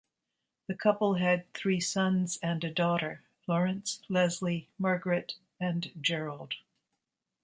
The couple had three sons and a daughter-Lawrence, Leslie, Margaret, and Gerald.